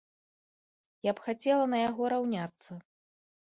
Я б хацела на яго раўняцца.